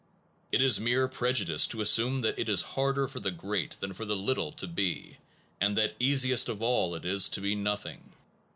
l It is mere prejudice to assume that it is harder for the great than for the little to be, and that easiest of all it is to be nothing.